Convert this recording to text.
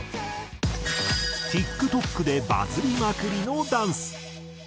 ＴｉｋＴｏｋでバズりまくりのダンス。